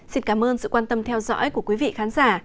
xin cảm ơn sự quan tâm theo dõi của quý vị khán giả